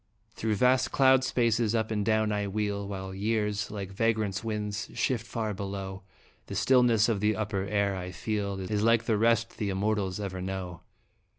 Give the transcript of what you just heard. Through vast cloud spaces, up and down I wheel, While years, like vagrant winds, shift far below? The stillness of the upper air I feel Is like the rest the immortals ever know.